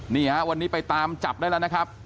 นี่ฮะวันนี้ไปตามจับได้แล้วนะครับ